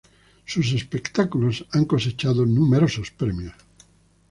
Sus espectáculos han cosechado números premios.